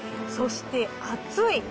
そして厚い。